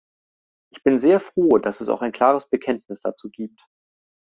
Ich bin sehr froh, dass es auch ein klares Bekenntnis dazu gibt.